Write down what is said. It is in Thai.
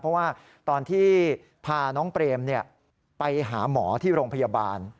เพราะว่าตอนที่พาน้องเปรมไปหาหมอที่โรงพยาบาล